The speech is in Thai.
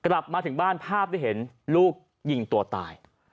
ในบ้านภาพได้เห็นลูกยิงตัวตาย